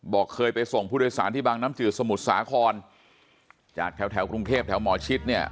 เคยไปส่งผู้โดยสารที่บางน้ำจืดสมุทรสาครจากแถวแถวกรุงเทพแถวหมอชิดเนี่ย